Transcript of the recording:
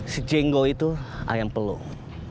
si jenggo itu ayam pelung